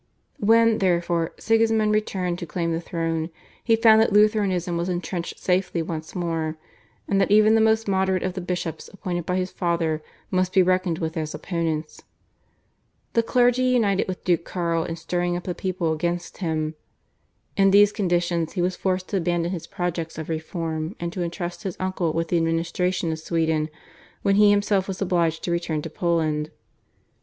When, therefore, Sigismund returned to claim the throne he found that Lutheranism was entrenched safely once more, and that even the most moderate of the bishops appointed by his father must be reckoned with as opponents. The clergy united with Duke Karl in stirring up the people against him. In these conditions he was forced to abandon his projects of reform, and to entrust his uncle with the administration of Sweden when he himself was obliged to return to Poland.